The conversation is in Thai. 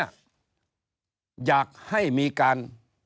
อยากให้มีการ